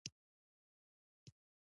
زه د خبریالۍ ارزښت پېژنم.